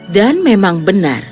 dan memang benar